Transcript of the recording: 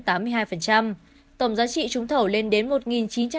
tổng giá trị trúng thầu lên đến một chín trăm chín mươi một tỷ đồng